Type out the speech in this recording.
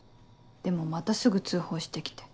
でもまたすぐ通報して来て。